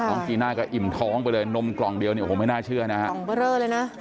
น้องจีน่าก็อิ่มท้องไปเลยนมกล่องเดียวโอ้โหไม่น่าเชื่อนะครับ